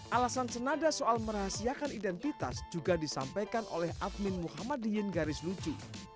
alasan senada soal merahasiakan identitas juga disampaikan oleh admin muhammadiyin garis lucu